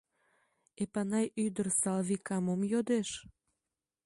Эпанай ӱдыр Салвика мом йодеш?